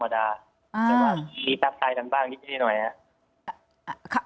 แต่ว่ามีทักทายกันบ้างนิดหน่อยครับ